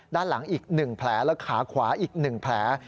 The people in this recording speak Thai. ด้านหลังอีก๑แผลและขาขวาอีก๑แผล